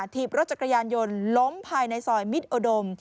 ทีบรถจักรยานยนต์ล้มภายในซอยมิตรอุดม